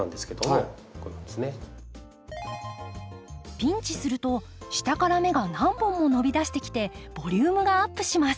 ピンチすると下から芽が何本も伸びだしてきてボリュームがアップします。